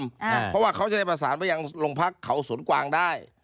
เพราะว่าเขาจะได้ประสานไปยังโรงพักเขาสวนกวางได้